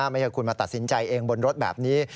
ไม่ใช่คุณมาตัดสินใจเองบนรถแบบนี้